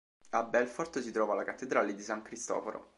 A Belfort si trova la cattedrale di San Cristoforo.